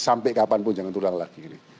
sampai kapanpun jangan terulang lagi